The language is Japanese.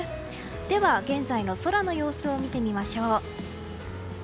では現在の空の様子を見てみましょう。